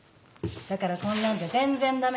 だからこんなんじゃ全然ダメ。